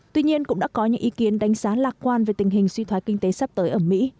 tuy nhiên cũng đã có những ý kiến đánh giá lạc quan về tình hình suy thoái kinh tế sắp tới ở mỹ